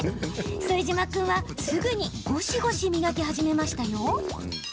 副島君はすぐにゴシゴシ磨き始めました。